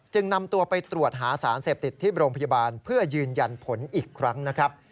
นำตัวไปตรวจหาสารเสพติดที่โรงพยาบาลเพื่อยืนยันผลอีกครั้งนะครับ